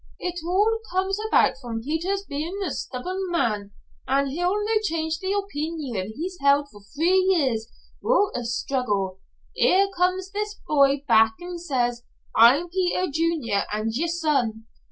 "It all comes about from Peter's bein' a stubborn man, an' he'll no change the opeenion he's held for three years wi'oot a struggle. Here comes his boy back an' says, 'I'm Peter Junior, and yer son.'